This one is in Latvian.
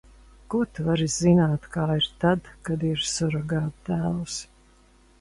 Ko tu vari zināt, kā ir tad, kad ir surogātdēls?